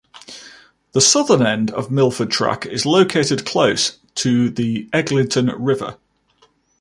The southern end of the Milford Track is located close to the Eglinton River.